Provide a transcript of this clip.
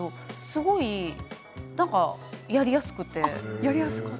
すごい、やりやすくて。